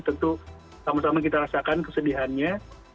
tentu sama sama kita rasakan kesedihannya